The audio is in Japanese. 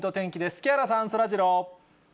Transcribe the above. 木原さん、そらジロー。